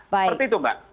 seperti itu mbak